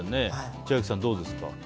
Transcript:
千秋さん、どうですか？